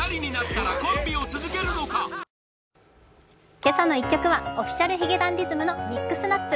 「けさの１曲」はＯｆｆｉｃｉａｌ髭男ｄｉｓｍの「ミックスナッツ」。